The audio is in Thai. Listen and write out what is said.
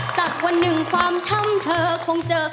สักวันหนึ่งความช้ำเธอคงเจอ